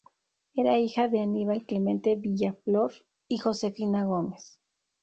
Era hija de Aníbal Clemente Villaflor y Josefina Gómez.